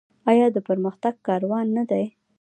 آیا د پرمختګ کاروان نه دی؟